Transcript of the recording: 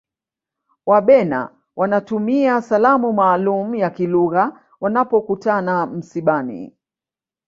wabena wanatumia salamu maalum ya kilugha wanapokutana msibani